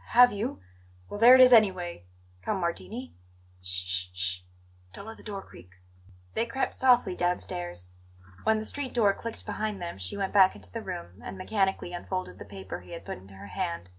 "H have you? Well, there it is, anyway. Come, Martini. Sh sh sh! Don't let the door creak!" They crept softly downstairs. When the street door clicked behind them she went back into the room and mechanically unfolded the paper he had put into her hand.